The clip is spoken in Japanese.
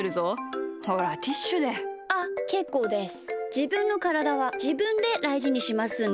じぶんのからだはじぶんでだいじにしますんで。